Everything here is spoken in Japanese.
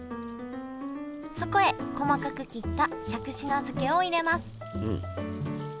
そこへ細かく切ったしゃくし菜漬けを入れます